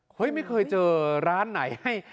ไม่เคยเจอร้านไหนให้